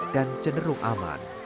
dan cenderung aman